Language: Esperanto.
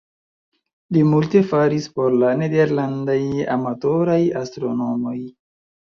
Li multe faris por la nederlandaj amatoraj astronomoj.